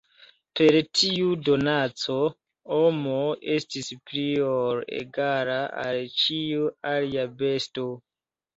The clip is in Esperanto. Per tiu donaco, homo estis pli ol egala al ĉiu alia besto.